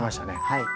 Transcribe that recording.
はい。